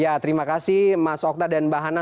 ya terima kasih mas okta dan mbak hana